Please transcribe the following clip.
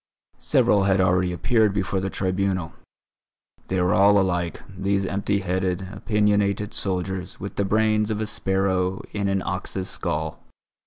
Several had already appeared before the Tribunal; they were all alike, these empty headed, opinionated soldiers with the brains of a sparrow in an ox's skull.